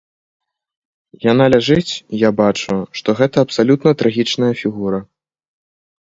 Яна ляжыць, я бачу, што гэта абсалютна трагічная фігура.